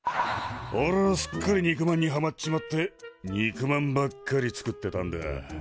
おれはすっかり肉まんにハマっちまって肉まんばっかり作ってたんだ。